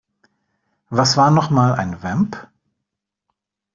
Was war noch mal ein Vamp?